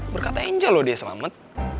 berkata angel loh dia selamet